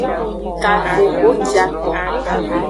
Kavehociaton.